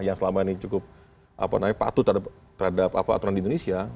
yang selama ini cukup patut terhadap aturan di indonesia